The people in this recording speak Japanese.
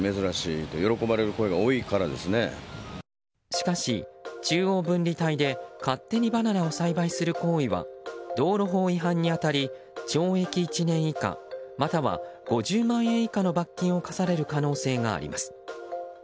しかし、中央分離帯で勝手にバナナを栽培する行為は道路法違反に当たり懲役１年以下または５０万円以下の罰金を科される可能性があります。